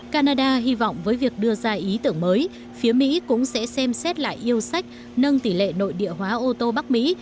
canada hy vọng với việc đưa ra ý tưởng mới phía mỹ cũng sẽ xem xét lại yêu sách nâng tỷ lệ nội địa hóa ô tô bắc mỹ